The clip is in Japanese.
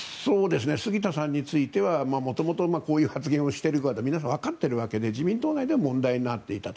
杉田さんについては元々、こういう発言をしていると皆さんわかっているわけで自民党内では問題になっていたと。